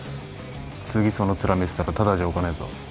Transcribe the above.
次そのツラ見せたらただじゃおかねえぞ。